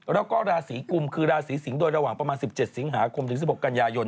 แล้วก็ราศีกุมคือราศีสิงศ์โดยระหว่างประมาณ๑๗สิงหาคมถึง๑๖กันยายน